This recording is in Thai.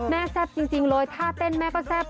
แม่แซ่บจริงเลยธาตุแต้งแม่ก็แซ่บ